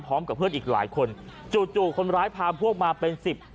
พร้อมกับเพื่อนอีกหลายคนจู่จู่คนร้ายพาพวกมาเป็นสิบ